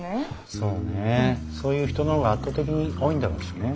そういう人の方が圧倒的に多いんだろうしね。